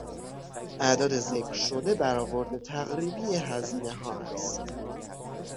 اعداد ذکر شده برآورد تقریبی هزینهها است.